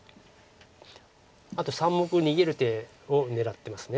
あと３目逃げる手を狙ってます。